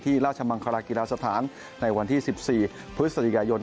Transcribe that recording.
ราชมังคลากีฬาสถานในวันที่๑๔พฤศจิกายน